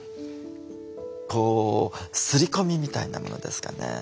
こう擦り込みみたいなものですかね。